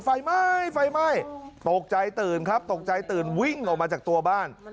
ไฟไหม้ไฟไหม้ตกใจตื่นครับตกใจตื่นวิ่งออกมาจากตัวบ้าน